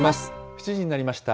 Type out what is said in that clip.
７時になりました。